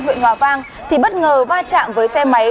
huyện hòa vang thì bất ngờ va chạm với xe máy